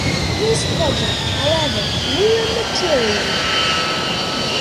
His project, however, never materialized.